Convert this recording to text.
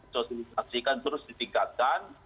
sosialisasikan terus ditingkatkan